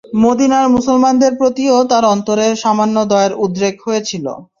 মদীনার মুসলমানদের প্রতিও তার অন্তরে সামান্য দয়ার উদ্রেক হয়েছিল।